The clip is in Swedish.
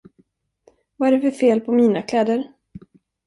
Vad är det för fel på mina kläder?